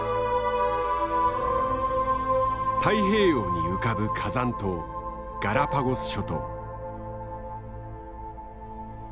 太平洋に浮かぶ火山島ガラパゴス諸島。